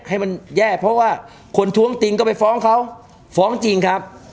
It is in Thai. ให้มันแย่เพราะว่าคนท้วงติงก็ไปฟ้องเขาฟ้องจริงครับ